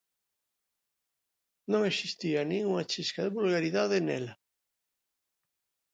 Non existía nin unha chisca de vulgaridade nela.